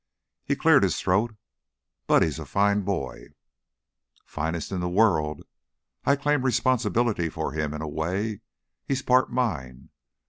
He cleared his throat. "Buddy's a fine boy." "Finest in the world! I claim responsibility for him, in a way. He's part mine."